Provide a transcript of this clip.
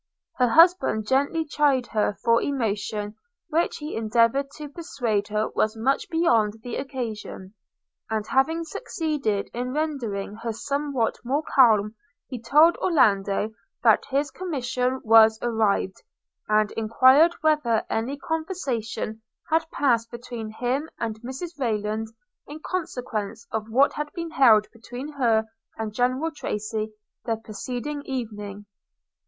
Her husband gently chid her for emotion which he endeavoured to persuade her was much beyond the occasion; and, having succeeded in rendering her somewhat more calm, he told Orlando that his commission was arrived, and enquired whether any conversation had passed between him and Mrs Rayland in consequence of what had been held between her and General Tracy the preceding evening?